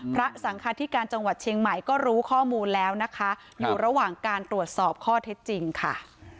พระสังคาธิการจังหวัดเชียงใหม่ก็รู้ข้อมูลแล้วนะคะอยู่ระหว่างการตรวจสอบข้อเท็จจริงค่ะ